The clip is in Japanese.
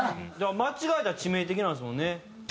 間違えたら致命的なんですもんね。